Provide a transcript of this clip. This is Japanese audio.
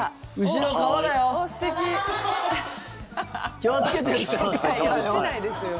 後ろ、川だよ。